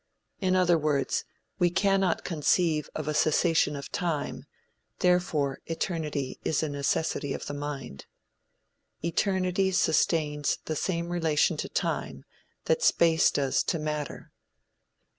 In other words, we cannot conceive of a cessation of time; therefore eternity is a necessity of the mind. Eternity sustains the same relation to time that space does to matter.